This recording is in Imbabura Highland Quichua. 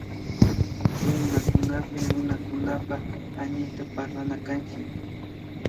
Kumunakunapik Runakunapak Hañiyta parlana kanchik